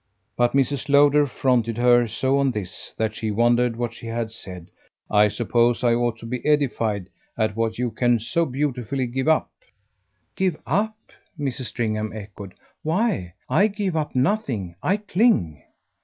But Mrs. Lowder fronted her so on this that she wondered what she had said. "I suppose I ought to be edified at what you can so beautifully give up." "Give up?" Mrs. Stringham echoed. "Why, I give up nothing I cling."